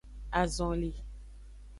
Azonli.